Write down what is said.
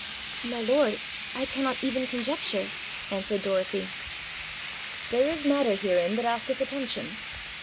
'My lord, I cannot even conjecture,' answered Dorothy. 'There is matter herein that asketh attention.